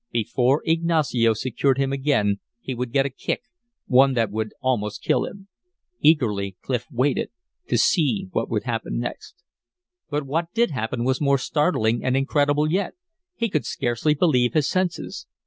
Before Ignacio secured him again he would get a kick, one that would almost kill him. Eagerly Clif waited, to see what would happen next. But what did happen was more startling and incredible yet; he could scarcely believe his senses.